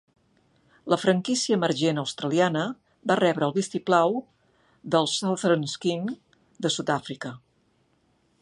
La franquícia emergent australiana va rebre el vistiplau dels Southern Kings de Sud-àfrica.